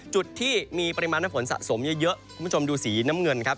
จุดที่มีปริมาณน้ำฝนสะสมเยอะคุณผู้ชมดูสีน้ำเงินครับ